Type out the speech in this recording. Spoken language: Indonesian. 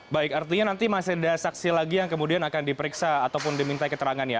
baik artinya nanti masih ada saksi lagi yang kemudian akan diperiksa ataupun diminta keterangan ya